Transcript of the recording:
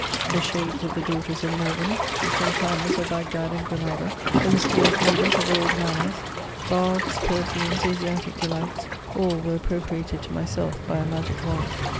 the shades of the daughters of Morven» the Sultanas of Bagdad and Granada, the mysterious ladies of old manors ; haths, perfumes, Asiatic delights — all were appro priated to myself hy a magic wand.